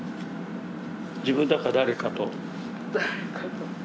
自分だか誰かと。